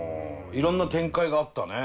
いろんな展開があったね。